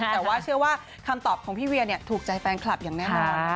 แต่ว่าเชื่อว่าคำตอบของพี่เวียถูกใจแฟนคลับอย่างแน่นอน